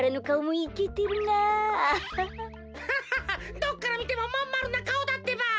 ぎゃははどっからみてもまんまるなかおだってば。